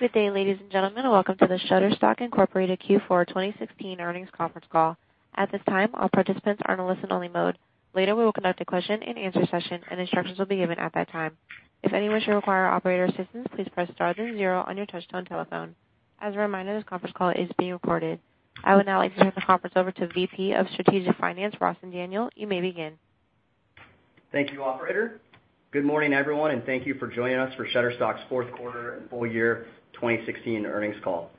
Good day, ladies and gentlemen, and welcome to the Shutterstock, Inc. Q4 2016 earnings conference call. At this time, all participants are in listen only mode. Later, we will conduct a question-and-answer session, and instructions will be given at that time. If anyone should require operator assistance, please press star then zero on your touchtone telephone. As a reminder, this conference call is being recorded. I would now like to turn the conference over to VP of Strategic Finance, Rawson Daniel. You may begin. Thank you, operator. Good morning, everyone, and thank you for joining us for Shutterstock's fourth quarter and full year 2016 earnings call.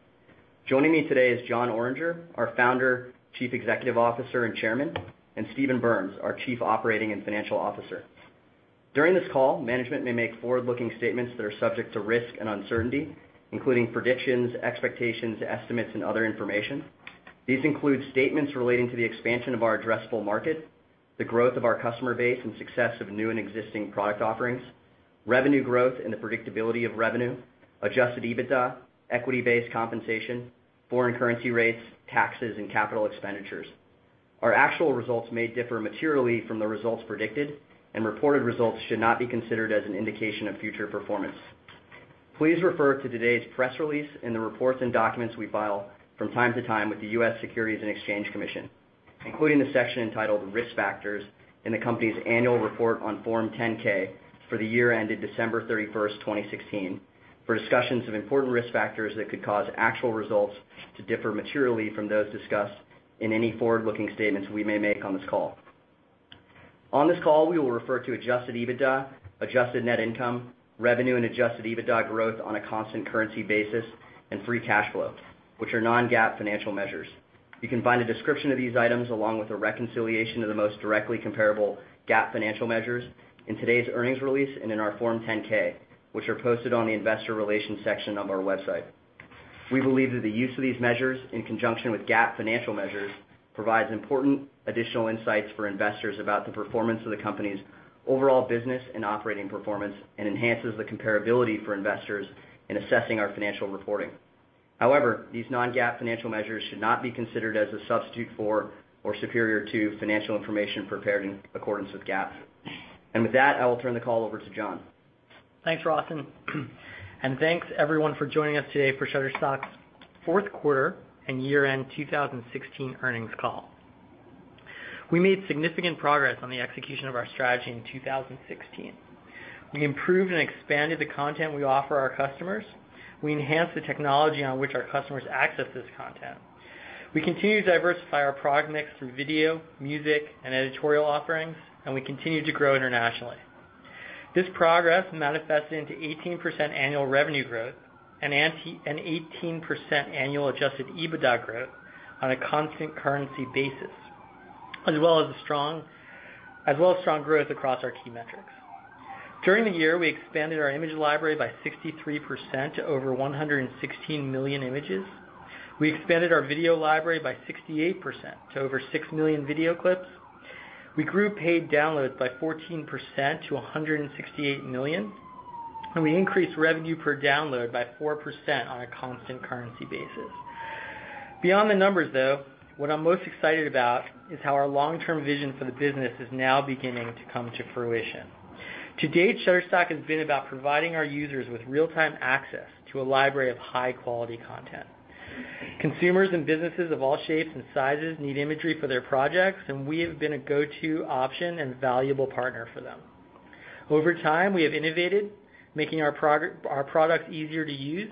Joining me today is Jon Oringer, our Founder, Chief Executive Officer, and Chairman, and Steven Berns, our Chief Operating and Financial Officer. During this call, management may make forward-looking statements that are subject to risk and uncertainty, including predictions, expectations, estimates, and other information. These include statements relating to the expansion of our addressable market, the growth of our customer base, and success of new and existing product offerings, revenue growth and the predictability of revenue, adjusted EBITDA, equity-based compensation, foreign currency rates, taxes, and capital expenditures. Our actual results may differ materially from the results predicted, and reported results should not be considered as an indication of future performance. Please refer to today's press release and the reports and documents we file from time to time with the U.S. Securities and Exchange Commission, including the section entitled Risk Factors in the company's annual report on Form 10-K for the year ended December 31st, 2016, for discussions of important risk factors that could cause actual results to differ materially from those discussed in any forward-looking statements we may make on this call. On this call, we will refer to adjusted EBITDA, adjusted net income, revenue and adjusted EBITDA growth on a constant currency basis, and free cash flow, which are non-GAAP financial measures. You can find a description of these items along with a reconciliation of the most directly comparable GAAP financial measures in today's earnings release and in our Form 10-K, which are posted on the investor relations section of our website. We believe that the use of these measures in conjunction with GAAP financial measures provides important additional insights for investors about the performance of the company's overall business and operating performance and enhances the comparability for investors in assessing our financial reporting. However, these non-GAAP financial measures should not be considered as a substitute for or superior to financial information prepared in accordance with GAAP. With that, I will turn the call over to Jon. Thanks, Rawson. Thanks everyone for joining us today for Shutterstock's fourth quarter and year-end 2016 earnings call. We made significant progress on the execution of our strategy in 2016. We improved and expanded the content we offer our customers. We enhanced the technology on which our customers access this content. We continue to diversify our product mix through video, music, and editorial offerings, we continue to grow internationally. This progress manifested into 18% annual revenue growth and 18% annual adjusted EBITDA growth on a constant currency basis, as well as strong growth across our key metrics. During the year, we expanded our image library by 63% to over 116 million images. We expanded our video library by 68% to over 6 million video clips. We grew paid downloads by 14% to 168 million, we increased revenue per download by 4% on a constant currency basis. Beyond the numbers, though, what I'm most excited about is how our long-term vision for the business is now beginning to come to fruition. To date, Shutterstock has been about providing our users with real-time access to a library of high-quality content. Consumers and businesses of all shapes and sizes need imagery for their projects, we have been a go-to option and valuable partner for them. Over time, we have innovated, making our products easier to use,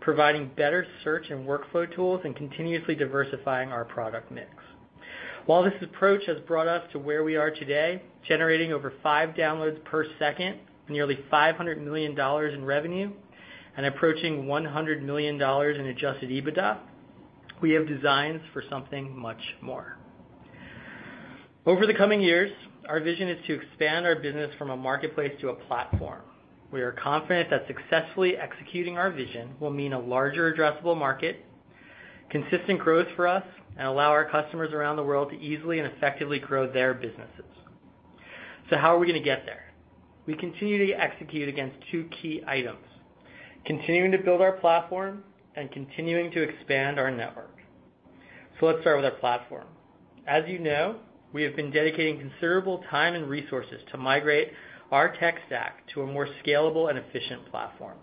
providing better search and workflow tools, continuously diversifying our product mix. While this approach has brought us to where we are today, generating over five downloads per second, nearly $500 million in revenue, approaching $100 million in adjusted EBITDA, we have designs for something much more. Over the coming years, our vision is to expand our business from a marketplace to a platform. We are confident that successfully executing our vision will mean a larger addressable market, consistent growth for us, allow our customers around the world to easily and effectively grow their businesses. How are we gonna get there? We continue to execute against two key items, continuing to build our platform, continuing to expand our network. Let's start with our platform. As you know, we have been dedicating considerable time and resources to migrate our tech stack to a more scalable and efficient platform.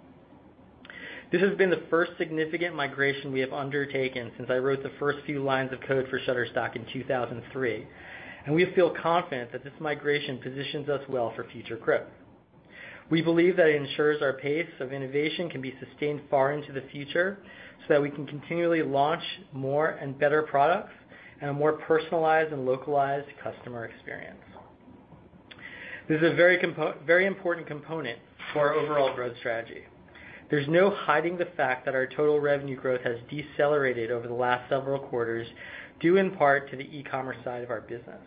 This has been the first significant migration we have undertaken since I wrote the first few lines of code for Shutterstock in 2003, we feel confident that this migration positions us well for future growth. We believe that it ensures our pace of innovation can be sustained far into the future so that we can continually launch more and better products and a more personalized and localized customer experience. This is a very important component for our overall growth strategy. There's no hiding the fact that our total revenue growth has decelerated over the last several quarters, due in part to the e-commerce side of our business.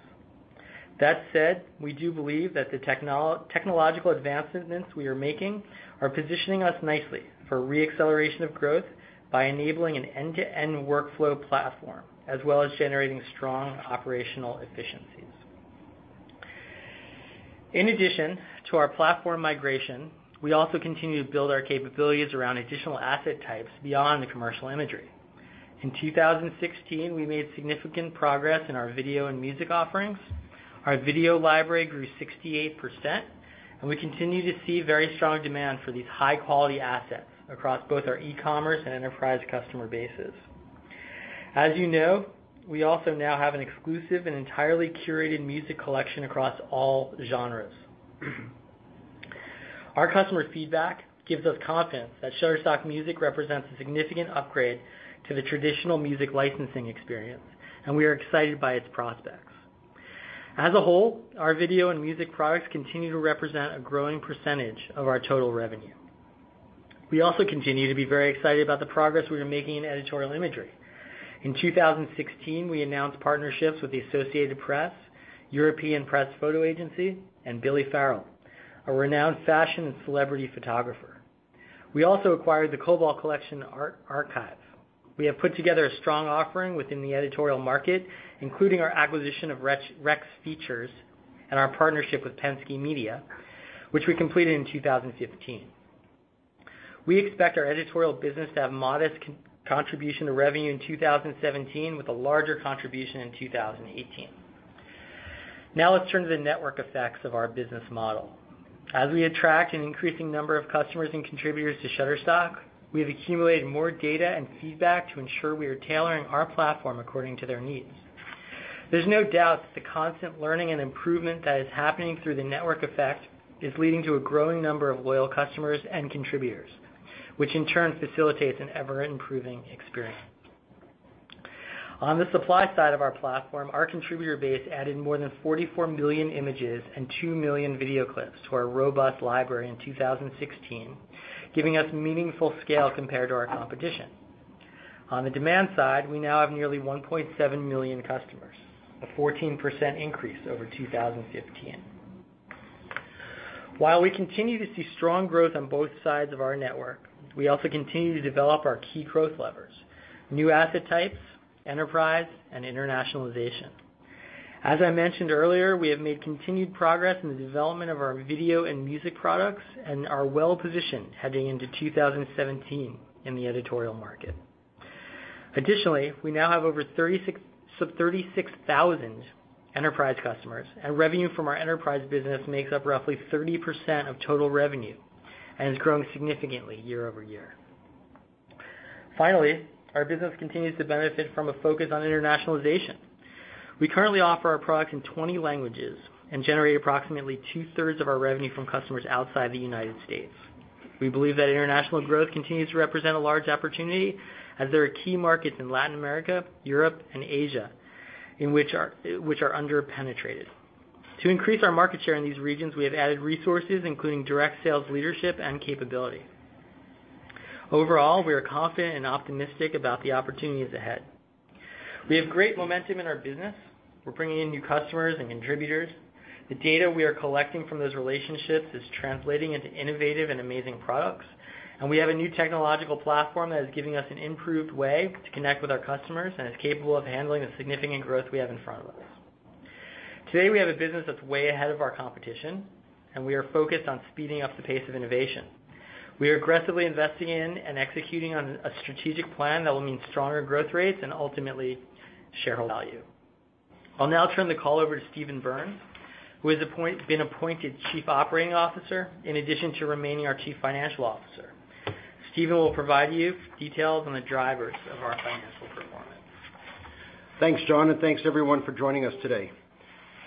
That said, we do believe that the technological advancements we are making are positioning us nicely for re-acceleration of growth by enabling an end-to-end workflow platform, as well as generating strong operational efficiencies. In addition to our platform migration, we also continue to build our capabilities around additional asset types beyond the commercial imagery. In 2016, we made significant progress in our video and music offerings. Our video library grew 68%, and we continue to see very strong demand for these high-quality assets across both our e-commerce and enterprise customer bases. As you know, we also now have an exclusive and entirely curated music collection across all genres. Our customer feedback gives us confidence that Shutterstock Music represents a significant upgrade to the traditional music licensing experience, and we are excited by its prospects. As a whole, our video and music products continue to represent a growing percentage of our total revenue. We also continue to be very excited about the progress we are making in editorial imagery. In 2016, we announced partnerships with The Associated Press, European Pressphoto Agency, and Billy Farrell, a renowned fashion and celebrity photographer. We also acquired The Kobal Collection archive. We have put together a strong offering within the editorial market, including our acquisition of Rex Features and our partnership with Penske Media, which we completed in 2015. We expect our editorial business to have modest contribution to revenue in 2017 with a larger contribution in 2018. Let's turn to the network effects of our business model. As we attract an increasing number of customers and contributors to Shutterstock, we have accumulated more data and feedback to ensure we are tailoring our platform according to their needs. There's no doubt that the constant learning and improvement that is happening through the network effect is leading to a growing number of loyal customers and contributors, which in turn facilitates an ever-improving experience. On the supply side of our platform, our contributor base added more than 44 million images and 2 million video clips to our robust library in 2016, giving us meaningful scale compared to our competition. On the demand side, we now have nearly 1.7 million customers, a 14% increase over 2015. While we continue to see strong growth on both sides of our network, we also continue to develop our key growth levers, new asset types, enterprise, and internationalization. As I mentioned earlier, we have made continued progress in the development of our video and music products and are well positioned heading into 2017 in the editorial market. Additionally, we now have over 36,000 enterprise customers, and revenue from our enterprise business makes up roughly 30% of total revenue and is growing significantly year-over-year. Finally, our business continues to benefit from a focus on internationalization. We currently offer our product in 20 languages and generate approximately two-thirds of our revenue from customers outside the United States. We believe that international growth continues to represent a large opportunity as there are key markets in Latin America, Europe, and Asia, which are under-penetrated. To increase our market share in these regions, we have added resources, including direct sales leadership and capability. Overall, we are confident and optimistic about the opportunities ahead. We have great momentum in our business. We're bringing in new customers and contributors. The data we are collecting from those relationships is translating into innovative and amazing products, and we have a new technological platform that is giving us an improved way to connect with our customers and is capable of handling the significant growth we have in front of us. Today, we have a business that's way ahead of our competition, and we are focused on speeding up the pace of innovation. We are aggressively investing in and executing on a strategic plan that will mean stronger growth rates and ultimately shareholder value. I'll now turn the call over to Steven Berns, who has been appointed Chief Operating Officer in addition to remaining our Chief Financial Officer. Steven will provide you details on the drivers of our financial performance. Thanks, Jon, and thanks everyone for joining us today.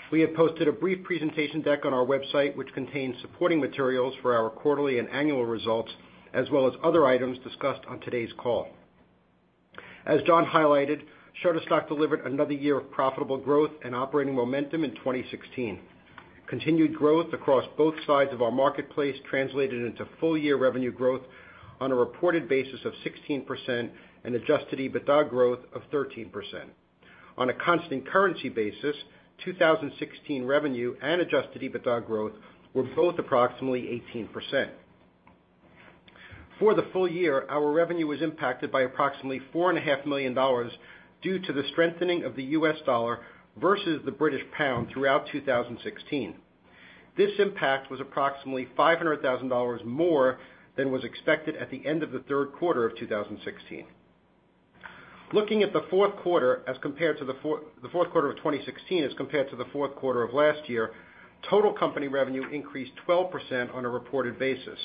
We have posted a brief presentation deck on our website, which contains supporting materials for our quarterly and annual results, as well as other items discussed on today's call. As Jon highlighted, Shutterstock delivered another year of profitable growth and operating momentum in 2016. Continued growth across both sides of our marketplace translated into full-year revenue growth on a reported basis of 16% and adjusted EBITDA growth of 13%. On a constant currency basis, 2016 revenue and adjusted EBITDA growth were both approximately 18%. For the full year, our revenue was impacted by approximately $4.5 million due to the strengthening of the U.S. dollar versus the GBP throughout 2016. This impact was approximately $500,000 more than was expected at the end of the third quarter of 2016. Looking at the fourth quarter of 2016 as compared to the fourth quarter of last year, total company revenue increased 12% on a reported basis.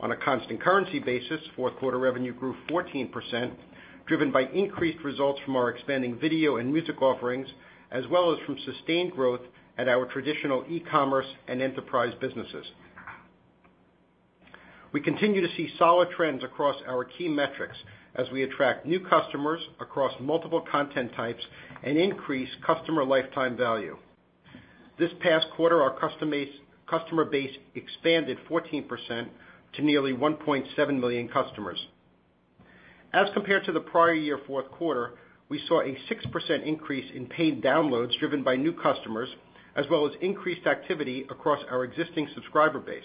On a constant currency basis, fourth quarter revenue grew 14%, driven by increased results from our expanding video and music offerings, as well as from sustained growth at our traditional e-commerce and enterprise businesses. We continue to see solid trends across our key metrics as we attract new customers across multiple content types and increase customer lifetime value. This past quarter, our customer base expanded 14% to nearly 1.7 million customers. As compared to the prior year fourth quarter, we saw a 6% increase in paid downloads driven by new customers, as well as increased activity across our existing subscriber base.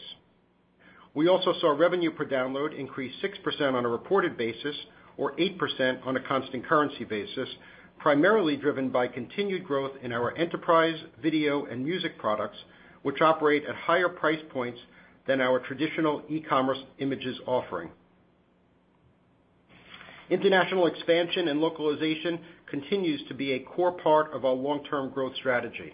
We also saw revenue per download increase 6% on a reported basis or 8% on a constant currency basis. Primarily driven by continued growth in our enterprise video and music products, which operate at higher price points than our traditional e-commerce images offering. International expansion and localization continues to be a core part of our long-term growth strategy.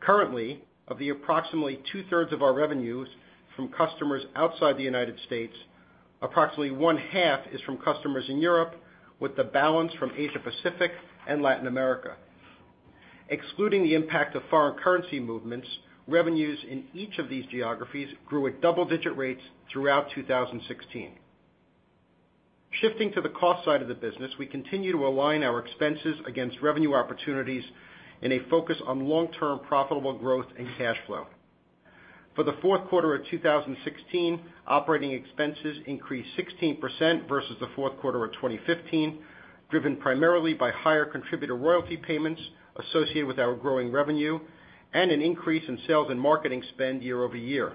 Currently, of the approximately two-thirds of our revenues from customers outside the U.S., approximately one-half is from customers in Europe, with the balance from Asia-Pacific and Latin America. Excluding the impact of foreign currency movements, revenues in each of these geographies grew at double-digit rates throughout 2016. Shifting to the cost side of the business, we continue to align our expenses against revenue opportunities in a focus on long-term profitable growth and cash flow. For the fourth quarter of 2016, operating expenses increased 16% versus the fourth quarter of 2015, driven primarily by higher contributor royalty payments associated with our growing revenue and an increase in sales and marketing spend year-over-year.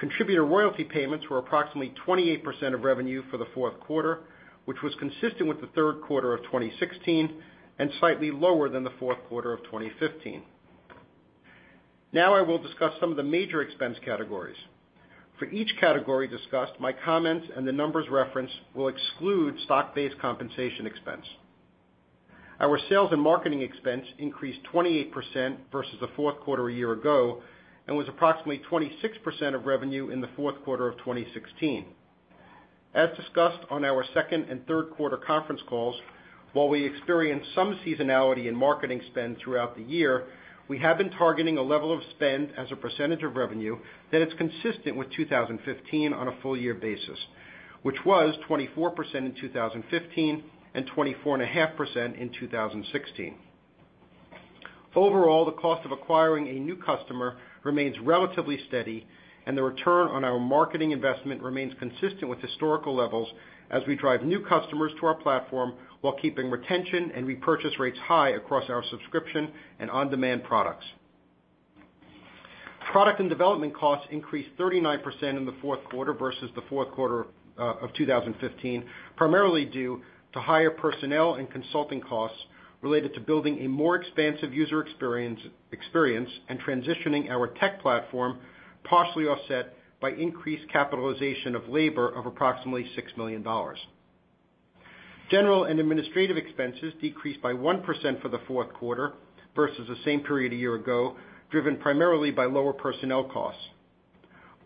Contributor royalty payments were approximately 28% of revenue for the fourth quarter, which was consistent with the third quarter of 2016 and slightly lower than the fourth quarter of 2015. I will discuss some of the major expense categories. For each category discussed, my comments and the numbers referenced will exclude stock-based compensation expense. Our sales and marketing expense increased 28% versus the fourth quarter a year ago and was approximately 26% of revenue in the fourth quarter of 2016. As discussed on our second and third quarter conference calls, while we experienced some seasonality in marketing spend throughout the year, we have been targeting a level of spend as a percentage of revenue that is consistent with 2015 on a full year basis, which was 24% in 2015 and 24.5% in 2016. Overall, the cost of acquiring a new customer remains relatively steady, and the return on our marketing investment remains consistent with historical levels as we drive new customers to our platform while keeping retention and repurchase rates high across our subscription and on-demand products. Product and development costs increased 39% in the fourth quarter versus the fourth quarter of 2015, primarily due to higher personnel and consulting costs related to building a more expansive user experience and transitioning our tech platform, partially offset by increased capitalization of labor of approximately $6 million. General and administrative expenses decreased by 1% for the fourth quarter versus the same period a year ago, driven primarily by lower personnel costs.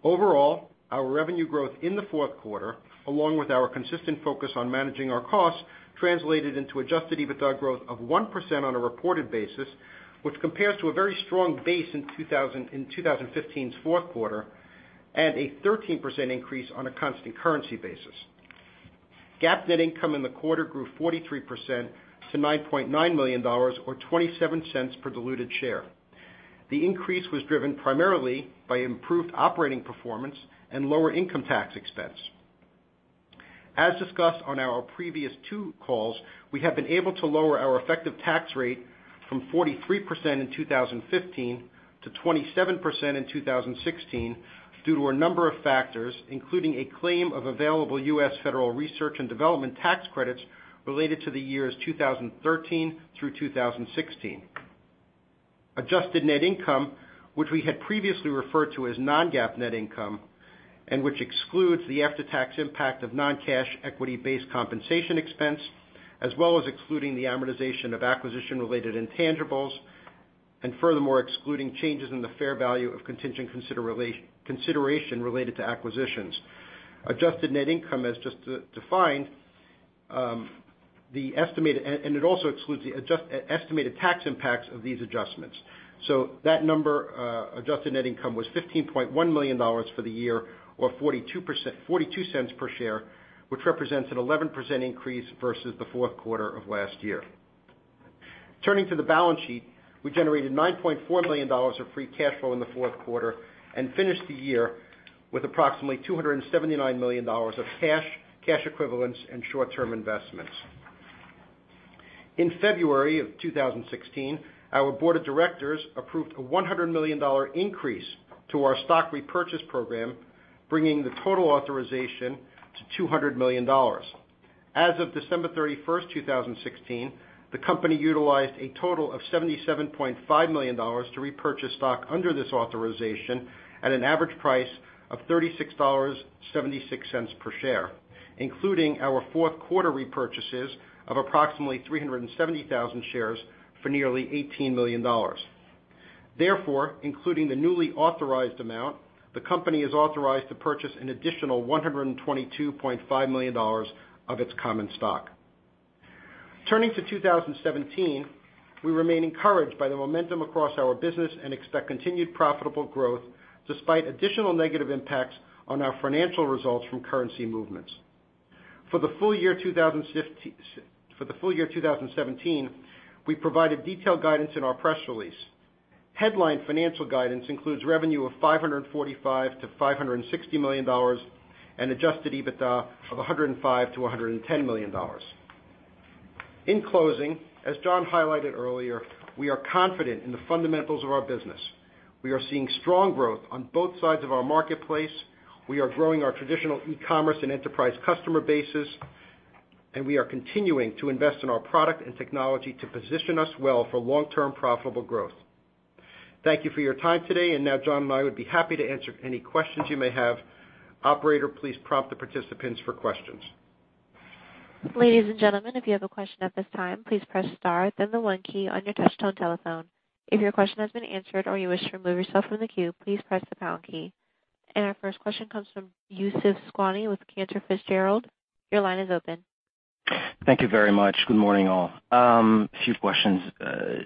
Overall, our revenue growth in the fourth quarter, along with our consistent focus on managing our costs, translated into adjusted EBITDA growth of 1% on a reported basis, which compares to a very strong base in 2015's fourth quarter and a 13% increase on a constant currency basis. GAAP net income in the quarter grew 43% to $9.9 million, or $0.27 per diluted share. The increase was driven primarily by improved operating performance and lower income tax expense. As discussed on our previous two calls, we have been able to lower our effective tax rate from 43% in 2015 to 27% in 2016 due to a number of factors, including a claim of available U.S. federal research and development tax credits related to the years 2013 through 2016. Adjusted net income, which we had previously referred to as non-GAAP net income and which excludes the after-tax impact of non-cash equity-based compensation expense, as well as excluding the amortization of acquisition-related intangibles, and furthermore excluding changes in the fair value of contingent consideration related to acquisitions. Adjusted net income as just defined, and it also excludes the estimated tax impacts of these adjustments. That number, adjusted net income, was $15.1 million for the year, or $0.42 per share, which represents an 11% increase versus the fourth quarter of last year. Turning to the balance sheet, we generated $9.4 million of free cash flow in the fourth quarter and finished the year with approximately $279 million of cash equivalents, and short-term investments. In February of 2016, our Board of Directors approved a $100 million increase to our stock repurchase program, bringing the total authorization to $200 million. As of December 31st, 2016, the company utilized a total of $77.5 million to repurchase stock under this authorization at an average price of $36.76 per share, including our fourth-quarter repurchases of approximately 370,000 shares for nearly $18 million. Therefore, including the newly authorized amount, the company is authorized to purchase an additional $122.5 million of its common stock. Turning to 2017, we remain encouraged by the momentum across our business and expect continued profitable growth despite additional negative impacts on our financial results from currency movements. For the full year 2017, we provided detailed guidance in our press release. Headline financial guidance includes revenue of $545 million-$560 million and adjusted EBITDA of $105 million-$110 million. In closing, as Jon highlighted earlier, we are confident in the fundamentals of our business. We are seeing strong growth on both sides of our marketplace. We are growing our traditional e-commerce and enterprise customer bases, and we are continuing to invest in our product and technology to position us well for long-term profitable growth. Thank you for your time today. Jon and I would be happy to answer any questions you may have. Operator, please prompt the participants for questions. Ladies and gentlemen, if you have a question at this time, please press star, then the one key on your touch tone telephone. If your question has been answered or you wish to remove yourself from the queue, please press the pound key. Our first question comes from Youssef Squali with Cantor Fitzgerald. Your line is open. Thank you very much. Good morning, all. A few questions.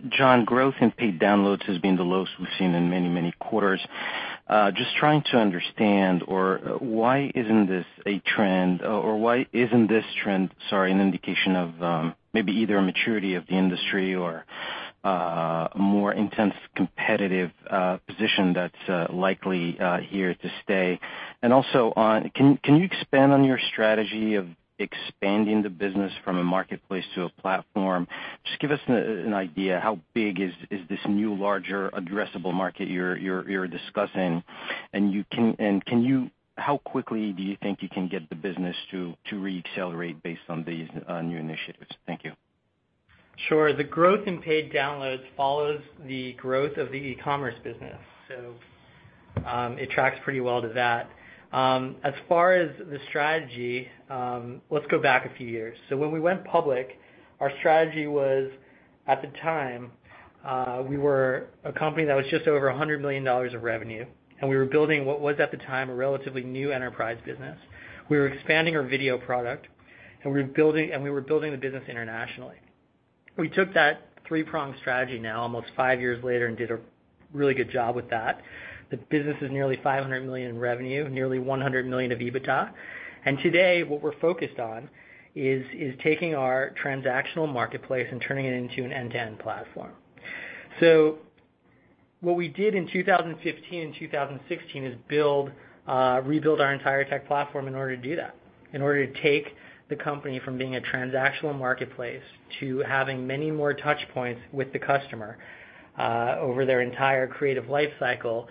Jon, growth in paid downloads has been the lowest we've seen in many, many quarters. Just trying to understand why isn't this trend, sorry, an indication of maybe either a maturity of the industry or a more intense competitive position that's likely here to stay? Also, can you expand on your strategy of expanding the business from a marketplace to a platform? Just give us an idea how big is this new, larger addressable market you're discussing. How quickly do you think you can get the business to re-accelerate based on these new initiatives? Thank you. The growth in paid downloads follows the growth of the e-commerce business. It tracks pretty well to that. As far as the strategy, let's go back a few years. When we went public, our strategy was, at the time, we were a company that was just over $100 million of revenue, and we were building what was at the time a relatively new enterprise business. We were expanding our video product, and we were building the business internationally. We took that three-prong strategy now almost five years later, and did a really good job with that. The business is nearly $500 million in revenue, nearly $100 million of EBITDA. Today, what we're focused on is taking our transactional marketplace and turning it into an end-to-end platform. What we did in 2015 and 2016 is rebuild our entire tech platform in order to do that, in order to take the company from being a transactional marketplace to having many more touch points with the customer, over their entire creative life cycle,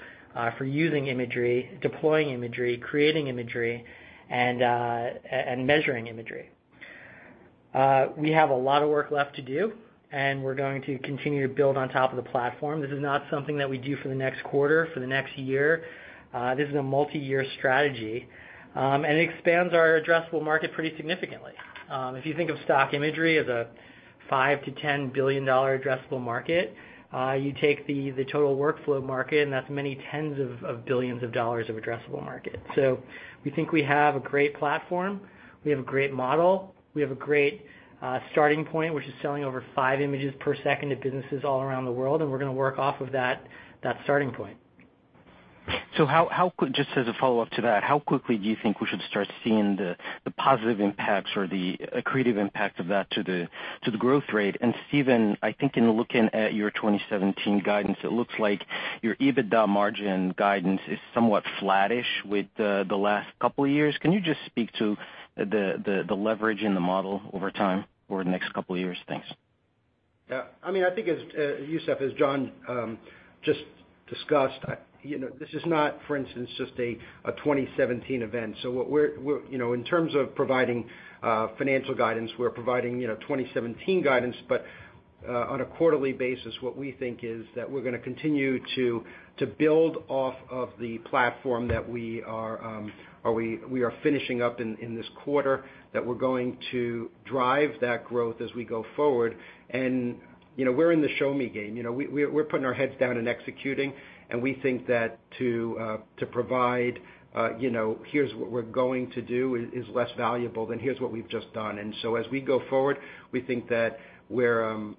for using imagery, deploying imagery, creating imagery, and measuring imagery. We have a lot of work left to do, and we're going to continue to build on top of the platform. This is not something that we do for the next quarter, for the next year. This is a multi-year strategy, and it expands our addressable market pretty significantly. If you think of stock imagery as a $5 billion-$10 billion addressable market, you take the total workflow market, and that's many tens of billions of dollars of addressable market. We think we have a great platform. We have a great model. We have a great starting point, which is selling over five images per second to businesses all around the world, and we're going to work off of that starting point. Just as a follow-up to that, how quickly do you think we should start seeing the positive impacts or the accretive impact of that to the growth rate? Steven, I think in looking at your 2017 guidance, it looks like your EBITDA margin guidance is somewhat flattish with the last couple of years. Can you just speak to the leverage in the model over time for the next couple of years? Thanks. Yeah. I think as Youssef, as Jon just discussed, this is not, for instance, just a 2017 event. In terms of providing financial guidance, we're providing 2017 guidance, but on a quarterly basis, what we think is that we're going to continue to build off of the platform that we are finishing up in this quarter, that we're going to drive that growth as we go forward. We're in the show me game. We're putting our heads down and executing, and we think that to provide, here's what we're going to do is less valuable than here's what we've just done. As we go forward, we think that we're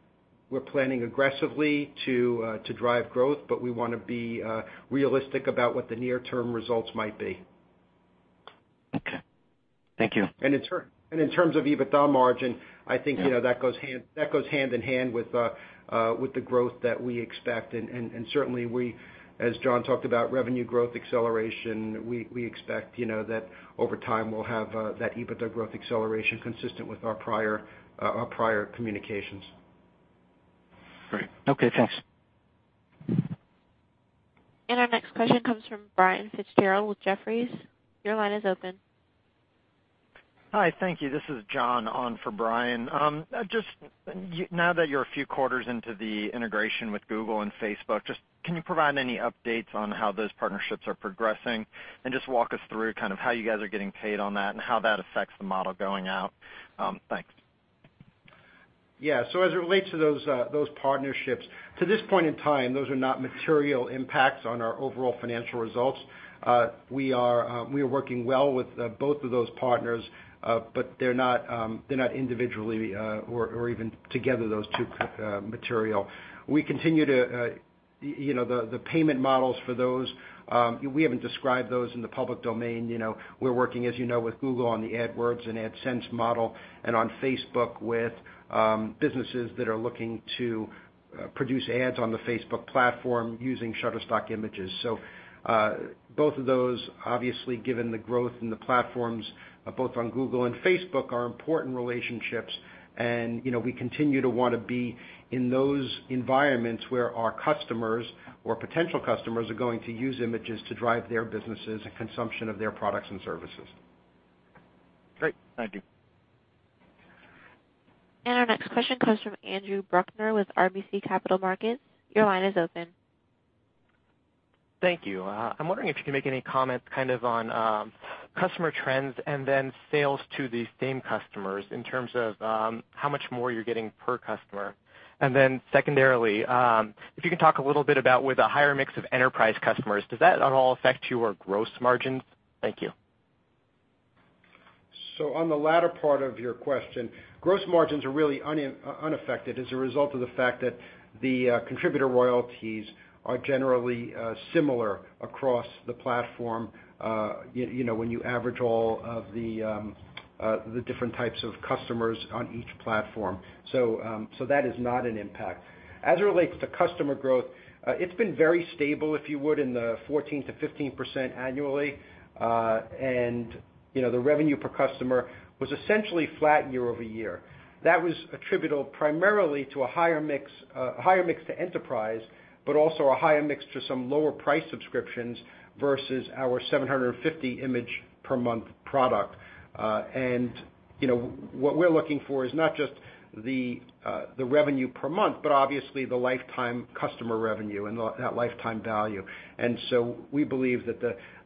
planning aggressively to drive growth, but we want to be realistic about what the near term results might be. Okay. Thank you. In terms of EBITDA margin, I think that goes hand in hand with the growth that we expect. Certainly we, as Jon talked about revenue growth acceleration, we expect that over time, we'll have that EBITDA growth acceleration consistent with our prior communications. Great. Okay, thanks. Our next question comes from Brian Fitzgerald with Jefferies. Your line is open. Hi. Thank you. This is Jon on for Brian. Now that you're a few quarters into the integration with Google and Facebook, just can you provide any updates on how those partnerships are progressing? Just walk us through kind of how you guys are getting paid on that and how that affects the model going out. Thanks. Yeah. As it relates to those partnerships, to this point in time, those are not material impacts on our overall financial results. We are working well with both of those partners. They're not individually, or even together, those two material. The payment models for those, we haven't described those in the public domain. We're working, as you know, with Google on the AdWords and AdSense model, and on Facebook with businesses that are looking to produce ads on the Facebook platform using Shutterstock images. Both of those, obviously, given the growth in the platforms, both on Google and Facebook, are important relationships. We continue to want to be in those environments where our customers or potential customers are going to use images to drive their businesses and consumption of their products and services. Great. Thank you. Our next question comes from Andrew Bruckner with RBC Capital Markets. Your line is open. Thank you. I'm wondering if you can make any comments kind of on customer trends and then sales to these same customers in terms of how much more you're getting per customer. Secondarily, if you can talk a little bit about with a higher mix of enterprise customers, does that at all affect your gross margins? Thank you. On the latter part of your question, gross margins are really unaffected as a result of the fact that the contributor royalties are generally similar across the platform, when you average all of the different types of customers on each platform. That is not an impact. As it relates to customer growth, it's been very stable, if you would, in the 14%-15% annually. The revenue per customer was essentially flat year-over-year. That was attributable primarily to a higher mix to enterprise, but also a higher mix to some lower priced subscriptions versus our 750 image per month product. What we're looking for is not just the revenue per month, but obviously the lifetime customer revenue and that lifetime value. We believe that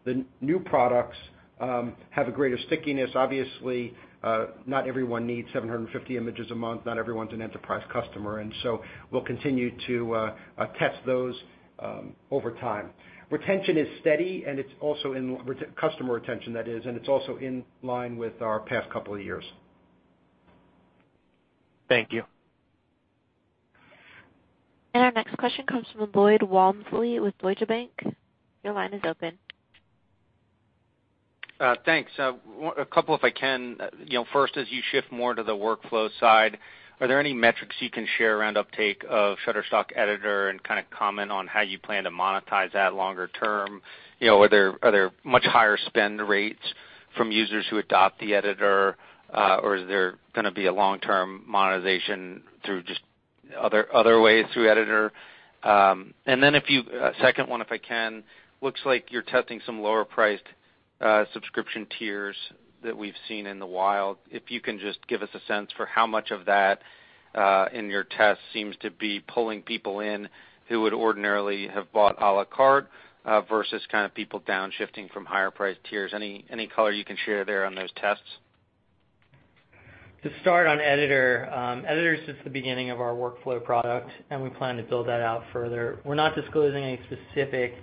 the new products have a greater stickiness. Obviously, not everyone needs 750 images a month. Not everyone's an enterprise customer, we'll continue to test those over time. Retention is steady, customer retention, that is, and it's also in line with our past couple of years. Thank you. Our next question comes from Lloyd Walmsley with Deutsche Bank. Your line is open. Thanks. A couple if I can. First, as you shift more to the workflow side, are there any metrics you can share around uptake of Shutterstock Editor and kind of comment on how you plan to monetize that longer term? Are there much higher spend rates from users who adopt the Editor, or is there gonna be a long-term monetization through just other ways through Editor? A second one, if I can. Looks like you're testing some lower priced subscription tiers that we've seen in the wild. If you can just give us a sense for how much of that, in your test, seems to be pulling people in who would ordinarily have bought à la carte versus kind of people downshifting from higher priced tiers. Any color you can share there on those tests? To start on Editor. Editor's just the beginning of our workflow product, and we plan to build that out further. We're not disclosing any specific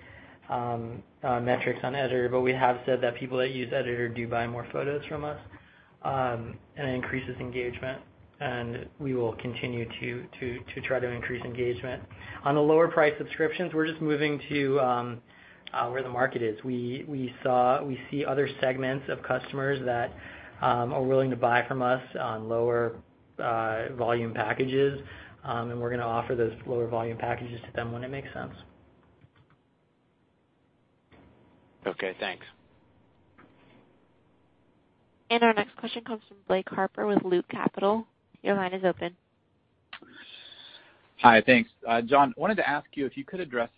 metrics on Editor, but we have said that people that use Editor do buy more photos from us. It increases engagement, and we will continue to try to increase engagement. On the lower priced subscriptions, we're just moving to where the market is. We see other segments of customers that are willing to buy from us on lower volume packages, and we're gonna offer those lower volume packages to them when it makes sense. Okay, thanks. Our next question comes from Blake Harper with Loop Capital. Your line is open. Hi. Thanks. Jon, wanted to ask you if you could address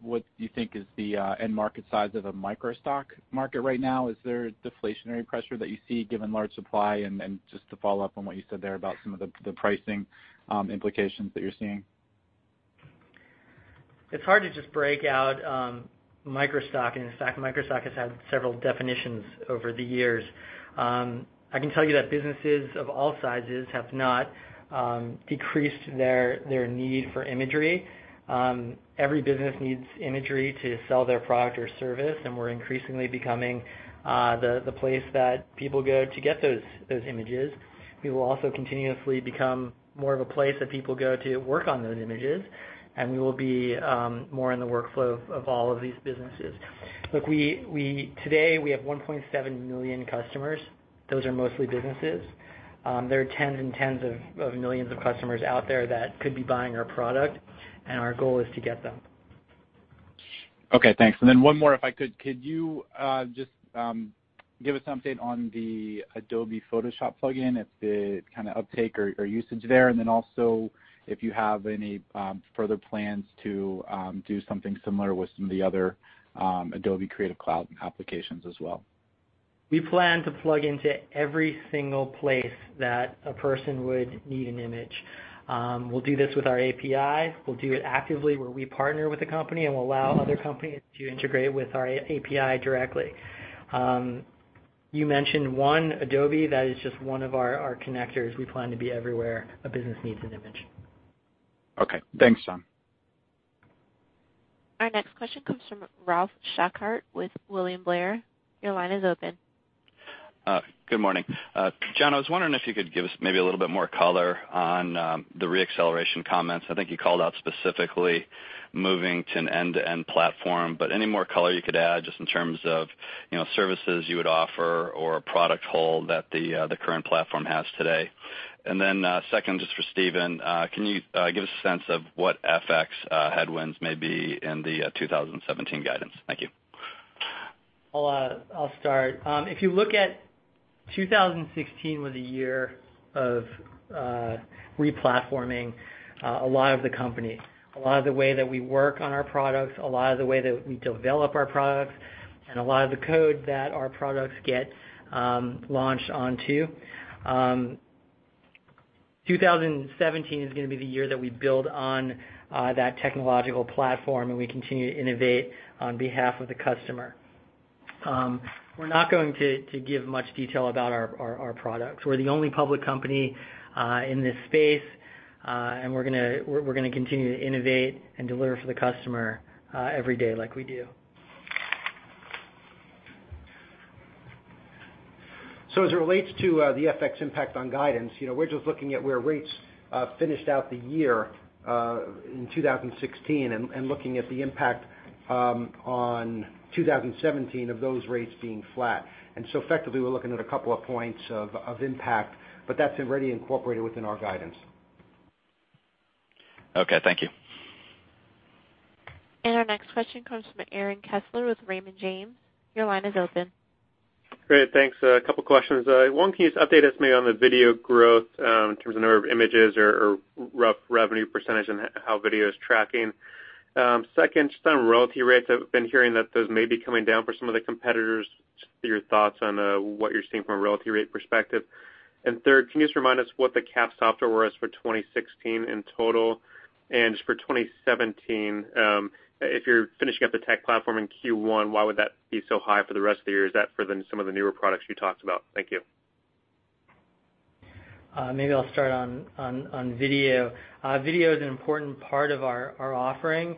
what you think is the end market size of a microstock market right now. Is there deflationary pressure that you see given large supply? Just to follow up on what you said there about some of the pricing implications that you're seeing. It's hard to just break out microstock, and in fact, microstock has had several definitions over the years. I can tell you that businesses of all sizes have not decreased their need for imagery. Every business needs imagery to sell their product or service, and we're increasingly becoming the place that people go to get those images. We will also continuously become more of a place that people go to work on those images, and we will be more in the workflow of all of these businesses. Look, today we have 1.7 million customers. Those are mostly businesses. There are tens and tens of millions of customers out there that could be buying our product, and our goal is to get them. Okay, thanks. One more, if I could. Could you just give us an update on the Adobe Photoshop plugin if the kind of uptake or usage there, then also if you have any further plans to do something similar with some of the other Adobe Creative Cloud applications as well? We plan to plug into every single place that a person would need an image. We'll do this with our API. We'll do it actively where we partner with a company and we'll allow other companies to integrate with our API directly. You mentioned one, Adobe. That is just one of our connectors. We plan to be everywhere a business needs an image. Okay, thanks, Jon. Our next question comes from Ralph Schackart with William Blair. Your line is open. Good morning. Jon, I was wondering if you could give us maybe a little bit more color on the re-acceleration comments. I think you called out specifically moving to an end-to-end platform, but any more color you could add just in terms of services you would offer or a product hole that the current platform has today. Second, just for Steven, can you give us a sense of what FX headwinds may be in the 2017 guidance? Thank you. I'll start. If you look at 2016 was a year of re-platforming a lot of the company, a lot of the way that we work on our products, a lot of the way that we develop our products, and a lot of the code that our products get launched onto. 2017 is going to be the year that we build on that technological platform, and we continue to innovate on behalf of the customer. We're not going to give much detail about our products. We're the only public company in this space, and we're going to continue to innovate and deliver for the customer every day like we do. As it relates to the FX impact on guidance, we're just looking at where rates finished out the year in 2016 and looking at the impact on 2017 of those rates being flat. Effectively, we're looking at a couple of points of impact, but that's already incorporated within our guidance. Okay, thank you. Our next question comes from Aaron Kessler with Raymond James. Your line is open. Great. Thanks. A couple questions. One, can you update us maybe on the video growth in terms of number of images or rough revenue percentage and how video is tracking? Second, just on royalty rates, I've been hearing that those may be coming down for some of the competitors, just your thoughts on what you're seeing from a royalty rate perspective. Third, can you just remind us what the capped software was for 2016 in total? Just for 2017, if you're finishing up the tech platform in Q1, why would that be so high for the rest of the year? Is that for some of the newer products you talked about? Thank you. Maybe I'll start on video. Video is an important part of our offering.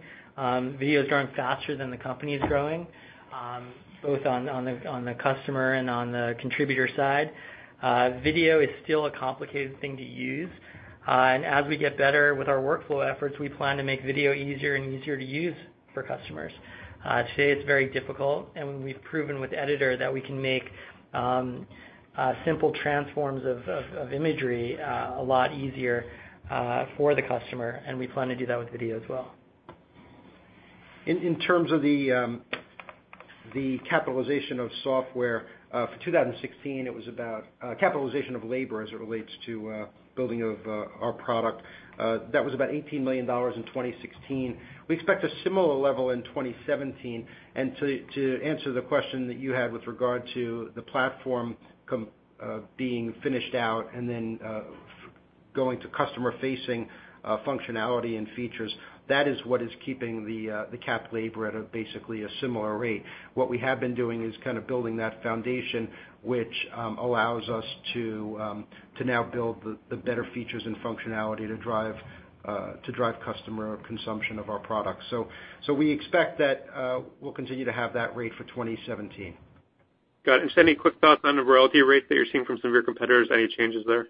Video is growing faster than the company is growing, both on the customer and on the contributor side. Video is still a complicated thing to use, and as we get better with our workflow efforts, we plan to make video easier and easier to use for customers. Today it's very difficult, and we've proven with Editor that we can make simple transforms of imagery a lot easier for the customer, and we plan to do that with video as well. In terms of the capitalization of software for 2016, it was about capitalization of labor as it relates to building of our product. That was about $18 million in 2016. We expect a similar level in 2017. To answer the question that you had with regard to the platform being finished out and then going to customer-facing functionality and features, that is what is keeping the capped labor at a basically a similar rate. What we have been doing is kind of building that foundation, which allows us to now build the better features and functionality to drive customer consumption of our products. We expect that we'll continue to have that rate for 2017. Got it. Just any quick thoughts on the royalty rate that you're seeing from some of your competitors? Any changes there?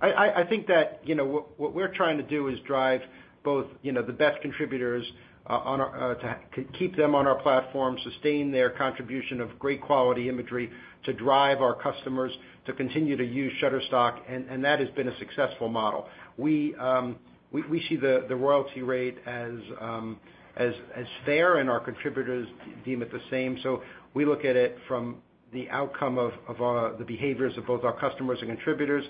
I think that what we're trying to do is drive both the best contributors to keep them on our platform, sustain their contribution of great quality imagery to drive our customers to continue to use Shutterstock, and that has been a successful model. We see the royalty rate as fair, and our contributors deem it the same. We look at it from the outcome of the behaviors of both our customers and contributors.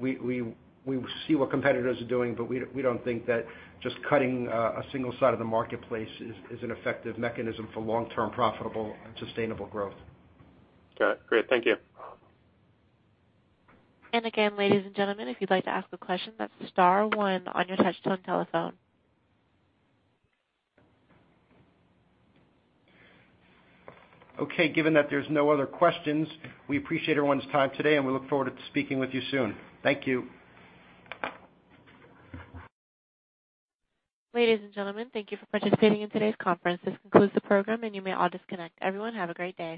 We see what competitors are doing, but we don't think that just cutting a single side of the marketplace is an effective mechanism for long-term profitable and sustainable growth. Got it. Great. Thank you. Again, ladies and gentlemen, if you'd like to ask a question, that's star one on your touch-tone telephone. Okay. Given that there's no other questions, we appreciate everyone's time today, and we look forward to speaking with you soon. Thank you. Ladies and gentlemen, thank you for participating in today's conference. This concludes the program, and you may all disconnect. Everyone, have a great day.